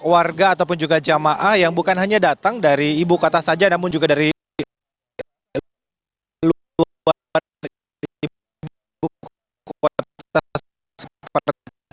warga ataupun juga jamaah yang bukan hanya datang dari ibu kota saja namun juga dari luar kota seperti